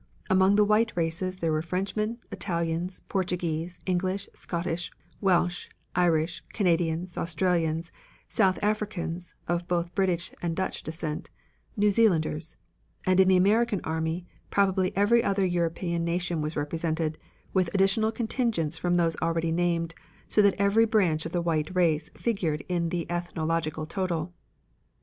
Among the white races there were Frenchmen, Italians, Portuguese, English, Scottish, Welsh, Irish, Canadians, Australians, South Africans (of both British and Dutch descent) New Zealanders; in the American army, probably every other European nation was represented, with additional contingents from those already named, so that every branch of the white race figured in the ethnological total.